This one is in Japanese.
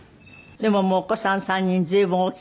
でももうお子さん３人随分大きくなって。